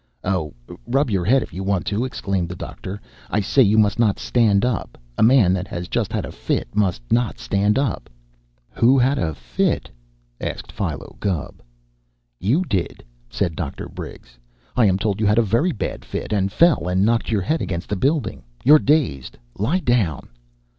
"Oh, rub your head if you want to!" exclaimed the doctor. "I say you must not stand up. A man that has just had a fit must not stand up." "Who had a fit?" asked Philo Gubb. "You did," said Dr. Briggs. "I am told you had a very bad fit, and fell and knocked your head against the building. You're dazed. Lie down!"